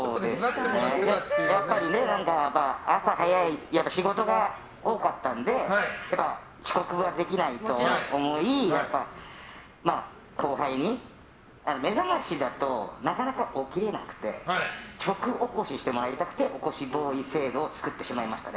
やっぱり朝早い仕事が多かったので遅刻ができないと思いめざましだとなかなか起きれなくて直起こししてもらいたくて起こしボーイ制度を作ってしまいましたね。